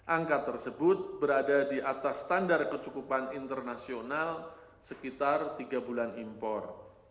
angka tersebut berada di atas standar kecukupan internasional sekitar tiga bulan impor